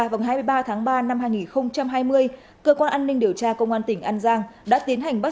vào ngày hai mươi ba tháng ba năm hai nghìn hai mươi cơ quan an ninh điều tra công an tỉnh an giang đã tiến hành bắt